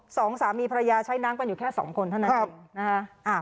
สองสามีภรรยาใช้น้ำกันอยู่แค่สองคนเท่านั้นเองนะฮะ